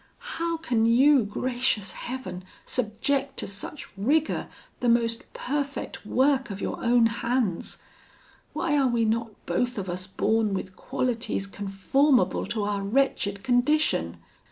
How can you, gracious Heaven! subject to such rigour the most perfect work of your own hands? Why are we not both of us born with qualities conformable to our wretched condition?